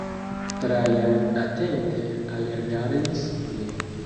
Trajan atente alrigardis lin.